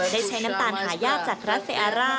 ได้ใช้น้ำตาลหายากจากรัสเซอาร่า